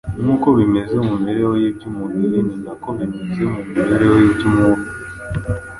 Nk’uko bimeze mu mibereho y’iby’umubiri ni nako bimeze mu mibereho y’iby’umwuka.